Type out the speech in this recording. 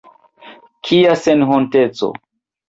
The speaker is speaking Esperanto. Kia senhonteco!